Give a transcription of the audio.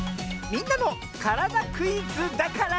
「みんなのからだクイズ」だから。